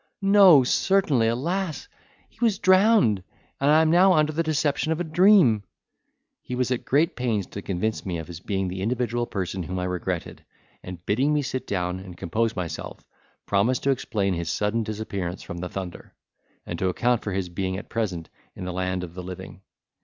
No certainly, alas! he was drowned; and I am now under the deception of a dream!" He was at great pains to convince me of his being the individual person whom I regretted, and bidding me sit down and compose myself, promised to explain his sudden disappearance from the Thunder, and to account for his being at present in the land of the living.